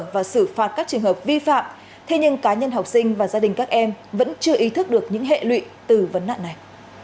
và xử phạt các trường hợp vi phạm thế nhưng cá nhân học sinh và gia đình các em vẫn chưa ý thức được những hệ lụy từ vấn nạn này